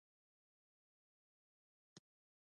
منډه د سړي همت زیاتوي